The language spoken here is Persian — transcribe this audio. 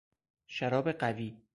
شراب قوی